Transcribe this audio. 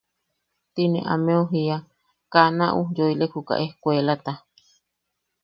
Ti ne ameu jiia –Kaa na ujyooilek juka ejkuelata.